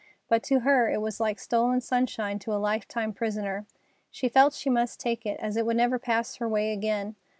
But to her it was like stolen sunshine to a lifetime prisoner. She felt she must take it, as it would never pass her way again.